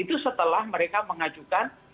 itu setelah mereka mengajukan visa umrah